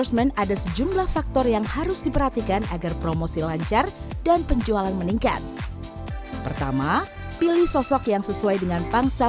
kemudian perhatikan jumlah follower atau pengikut media sosialnya